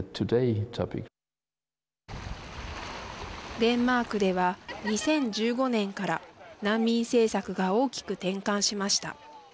デンマークでは２０１５年から難民政策が大きく転換しました。